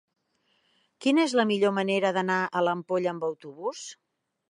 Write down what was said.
Quina és la millor manera d'anar a l'Ampolla amb autobús?